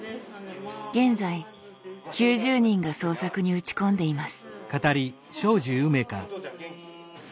現在９０人が創作に打ち込んでいます。